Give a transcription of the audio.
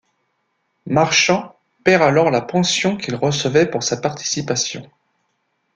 Marchant perd alors la pension qu’il recevait pour sa participation.